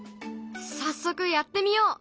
早速やってみよう！